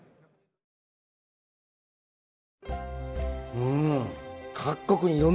うん。